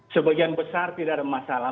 sebagian besar tidak ada masalah